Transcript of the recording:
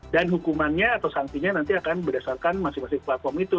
dan hukumannya atau sangsinya nanti akan berdasarkan masing masing platform itu